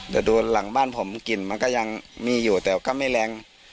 แต่ดูหลังบ้านผมกลิ่นมันก็ยังมีอยู่แต่ก็ไม่แรง